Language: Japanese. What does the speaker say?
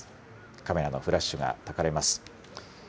カメラのフラッシュがたかれます。